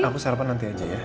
aku sarapan nanti aja ya